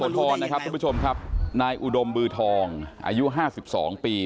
แล้วสวทรนะครับทุกผู้ชมครับนายอุดมบือทองอายุ๕๒ปี